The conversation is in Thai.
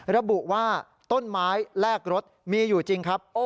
ระบุว่าต้นไม้แลกรถมีอยู่จริงครับ